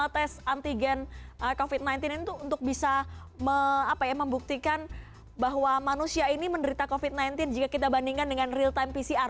tes antigen covid sembilan belas itu untuk bisa membuktikan bahwa manusia ini menderita covid sembilan belas jika kita bandingkan dengan real time pcr